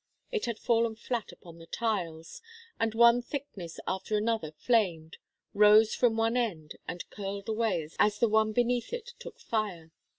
It had fallen flat upon the tiles, and one thickness after another flamed, rose from one end and curled away as the one beneath it took fire.